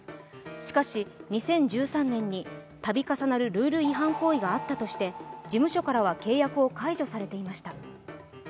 しかし２０１３年に、度重なるルール違反行為があったとして事務所からは契約を解除されていました。